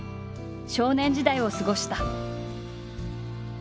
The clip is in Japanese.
少年時代を過ごした。